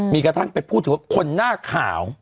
มีกระทั่งไปพูดถึงว่าคนหน้าขาว